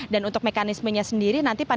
dan untuk mekanisme nyasaran maka itu akan dilakukan